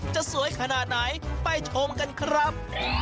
จะสวยขนาดไหนไปชมกันครับ